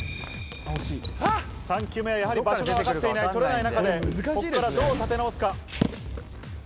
３球目、やはり場所が分かっていない、取れない中で、ここからどう立て直すか。